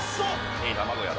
いい卵やろ。